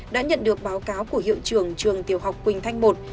đã nhận được báo cáo của hiệu trường trường tiểu học quỳnh thanh i